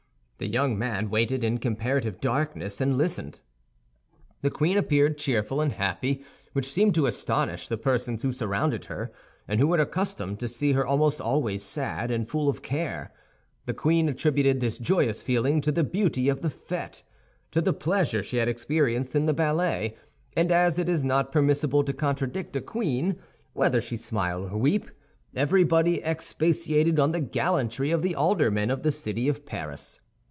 The young man waited in comparative darkness and listened. The queen appeared cheerful and happy, which seemed to astonish the persons who surrounded her and who were accustomed to see her almost always sad and full of care. The queen attributed this joyous feeling to the beauty of the fête, to the pleasure she had experienced in the ballet; and as it is not permissible to contradict a queen, whether she smile or weep, everybody expatiated on the gallantry of the aldermen of the city of Paris.